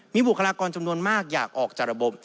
มีบุคลากรจำนวนมากอยากออกจากระบบ